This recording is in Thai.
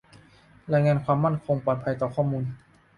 รายงานความมั่นคงปลอดภัยต่อข้อมูล